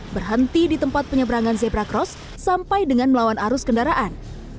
berhenti di tempat penyeberangan zebra cross sampai dengan melawan arus kendaraan